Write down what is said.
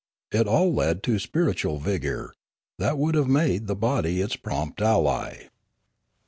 It all led to spiritual vigour, that would have made the body its prompt ally.